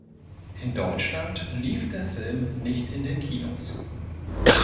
In Deutschland lief der Film nicht in den Kinos.